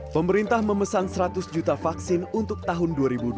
pemerintah memesan seratus juta vaksin untuk tahun dua ribu dua puluh